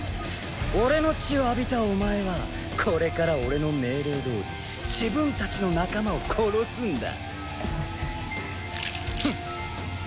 俺の血を浴びたお前はこれから俺の命令どおり自分たちの仲間を殺すんだ。